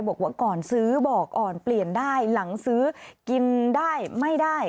บอกว่าก่อนซื้อบอกอ่อนเปลี่ยนได้หลังซื้อกินได้ไม่ได้